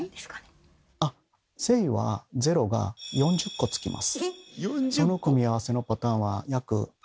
あっ正は０が４０個つきます。